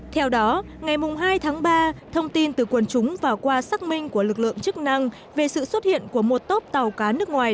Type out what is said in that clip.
theo đó ngày hai tháng ba thông tin từ quần chúng và qua xác minh của lực lượng chức năng về sự xuất hiện của một tốp tàu cá nước ngoài